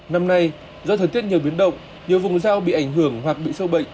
năm nay do thời tiết nhiều biến động nhiều vùng rau bị ảnh hưởng hoặc bị sâu bệnh